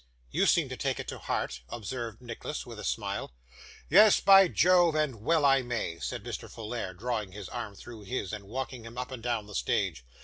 'You seem to take it to heart,' observed Nicholas, with a smile. 'Yes, by Jove, and well I may,' said Mr. Folair, drawing his arm through his, and walking him up and down the stage.